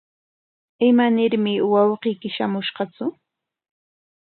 ¿Imanarmi wawqiyki shamunqatsu?